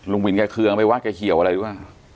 ลุงวินแกเคืองไปวาดแกเขี่ยวอะไรด้วยว่ะ